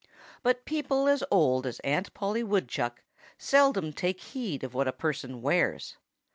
But people as old as Aunt Polly Woodchuck seldom take heed of what a person wears.